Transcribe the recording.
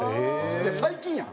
最近やん！